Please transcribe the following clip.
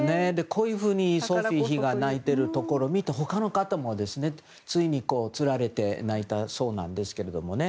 こういうふうにソフィー妃が泣いているところを見て他の方もつられて泣いたそうなんですけどね。